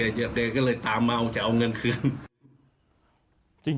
แนนก็เลยตามมาจะเอาเงินเครือน